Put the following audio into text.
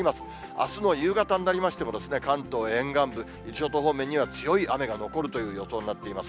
あすの夕方になりましても、関東沿岸部、伊豆諸島方面には強い雨が残るという予想になっています。